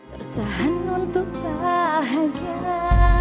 bertahan untuk bahagia